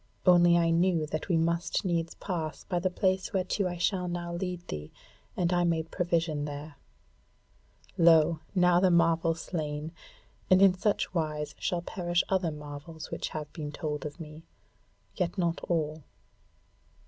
Only I knew that we must needs pass by the place whereto I shall now lead thee, and I made provision there. Lo! now the marvel slain: and in such wise shall perish other marvels which have been told of me; yet not all.